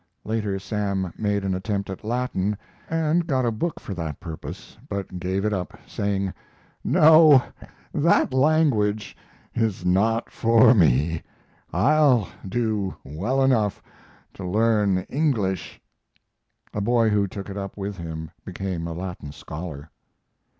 Later, Sam made an attempt at Latin, and got a book for that purpose, but gave it up, saying: "No, that language is not for me. I'll do well enough to learn English." A boy who took it up with him became a Latin scholar.